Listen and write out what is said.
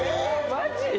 マジ？